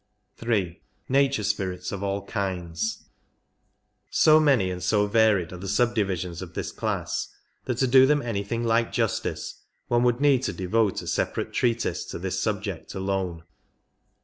3. Nature Spirits of all Kinds. So many and so varied are the subdivisions of this class that to do them anything like justice one would need to devote a separate treatise to this subject alone.